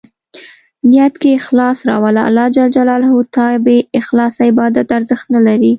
نیت کې اخلاص راوله ، الله ج ته بې اخلاصه عبادت ارزښت نه لري.